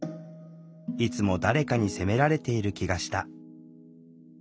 いつも誰かに責められている気がした。